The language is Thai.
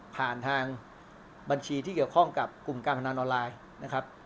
ทางบัญชีที่เกี่ยวข้องกับกลุ่มการพนันออนไลน์นะครับ